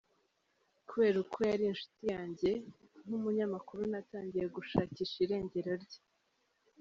Kubera uko yari inshuti yanjye nk’umunyamakuru natangiye gushakisha irengero rye.